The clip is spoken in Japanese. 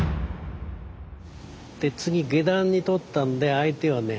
で次下段にとったんで相手はね